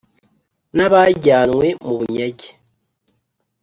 n abajyanywe mu bunyage